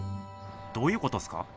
どういうことっすか？